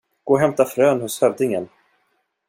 Gå och hämta frön hos hövdingen.